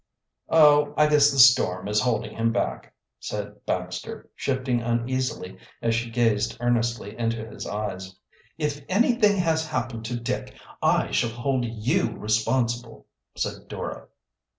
"Oh, I guess the storm is holding him back," said Baxter, shifting uneasily as she gazed earnestly into his eyes. "If anything has happened to Dick, I shall hold you responsible," said Dora.